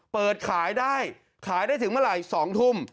เปิดขายได้ขายได้ถึงเมื่อไหร่๒ทุ่ม